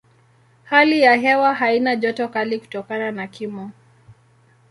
Hali ya hewa haina joto kali kutokana na kimo.